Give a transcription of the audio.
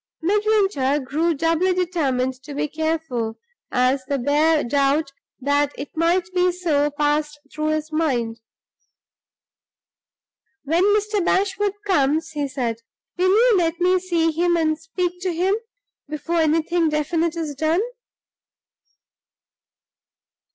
Midwinter grew doubly determined to be careful, as the bare doubt that it might be so passed through his mind. "When Mr. Bashwood comes," he said, "will you let me see him, and speak to him, before anything definite is done?"